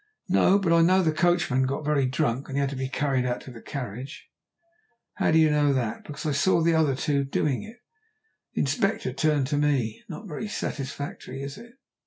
"No. But I know the coachman got very drunk, and had to be carried out to the carriage." "How do you know that?" "Because I saw the other two doing it." The Inspector turned to me. "Not very satisfactory, is it?"